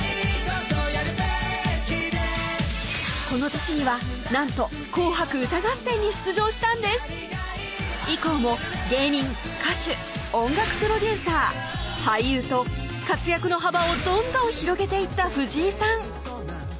この年にはなんと紅白歌合戦に出場したんです以降も芸人・歌手・音楽プロデューサー・俳優と活躍の幅をどんどん広げていった藤井さん